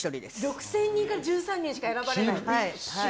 ６０００人から１３人しか選ばれない？